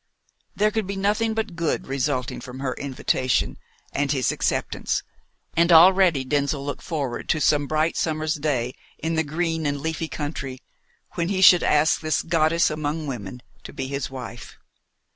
There could be nothing but good resulting from her invitation and his acceptance, and already Denzil looked forward to some bright summer's day in the green and leafy country, when he should ask this goddess among women to be his wife.